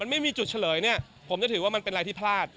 ไม่มีจุดเฉลยเนี่ยผมจะถือว่ามันเป็นอะไรที่พลาด